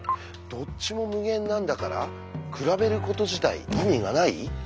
「どっちも無限なんだから比べること自体意味がない」？